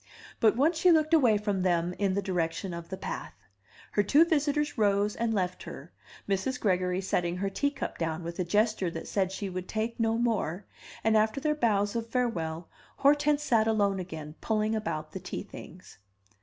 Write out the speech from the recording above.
But once she looked away from them in the direction of the path. Her two visitors rose and left her, Mrs. Gregory setting her tea cup down with a gesture that said she would take no more, and, after their bows of farewell, Hortense sat alone again pulling about the tea things.